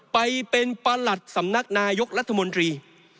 ไปเป็นประหลัดสำนักนายกรัฐมนตรี